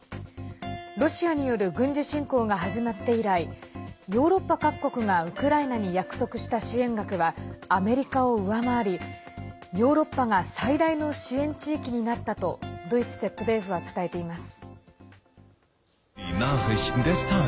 ロシアによる軍事侵攻が始まって以来ヨーロッパ各国がウクライナに約束した支援額はアメリカを上回り、ヨーロッパが最大の支援地域になったとドイツＺＤＦは伝えています。